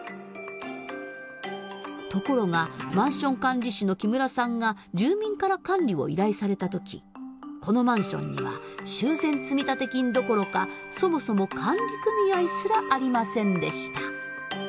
ところがマンション管理士の木村さんが住民から管理を依頼された時このマンションには修繕積立金どころかそもそも管理組合すらありませんでした。